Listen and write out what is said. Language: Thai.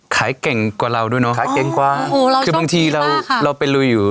เก่งกว่าเราด้วยเนอะขายเก่งกว่าโอ้โหเราคือบางทีเราเราไปลุยอยู่